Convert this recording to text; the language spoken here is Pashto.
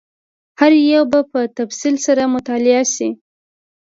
هر یو به په تفصیل سره مطالعه شي.